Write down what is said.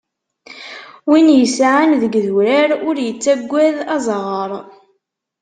Win yesεan deg d urar ur yettagad azaɣaṛ